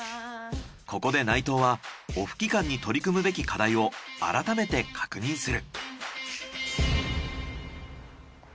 ここで内藤はオフ期間に取り組むべき課題を改めて確認する。